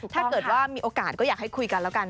ถ้าเกิดว่ามีโอกาสก็อยากให้คุยกันแล้วกัน